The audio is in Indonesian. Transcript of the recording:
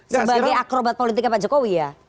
sebagai akrobat politiknya pak jokowi ya